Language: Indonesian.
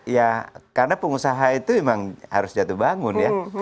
ya karena pengusaha itu memang harus jatuh bangun ya